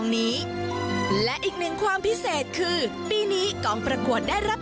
นี้และอีกหนึ่งความพิเศษคือปีนี้กองประกวดได้รับ